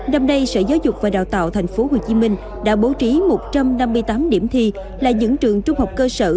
năm nay sở giáo dục và đào tạo tp hcm đã bố trí một trăm năm mươi tám điểm thi là những trường trung học cơ sở